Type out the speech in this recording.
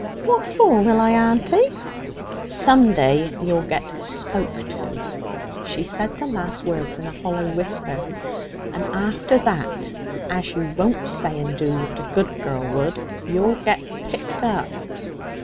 'What for will I, auntie?' 'Some day you'll get spoke to!' She said the last words in a hollow whisper. 'And after that, as you won't say and do what a good girl would, you'll get picked up.'